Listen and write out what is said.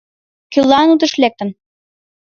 Кӧлан утыш лектын?